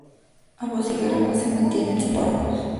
Ambos diagramas se mantienen separados.